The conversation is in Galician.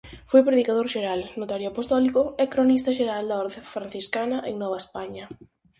Foi predicador xeral, notario apostólico e cronista xeral da orde franciscana en Nova España.